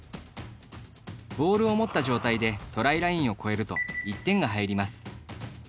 ボールを持った状態でトライラインを越えると１点が入ります。